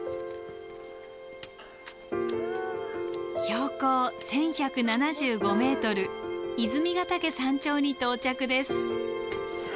標高１，１７５ｍ泉ヶ岳山頂に到着です。